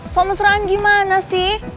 soal mesraan gimana sih